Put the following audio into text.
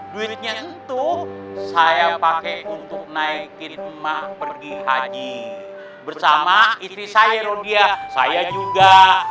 duitnya itu saya pakai untuk naikin emak pergi haji bersama istri saya rodia saya juga